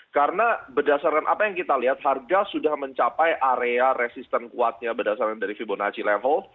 karena berdasarkan apa yang kita lihat harga sudah mencapai area resisten kuatnya berdasarkan dari fibonacci level